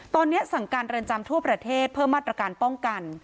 ตอนนี้สั่งการเรือนจำทั่วประเทศเพิ่มมาตรการป้องกัน